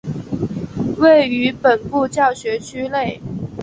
位于本部教学区内。